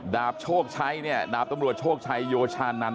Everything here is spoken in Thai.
ดาบโชคชัยเนี่ยดาบตำรวจโชคชัยโยชานันท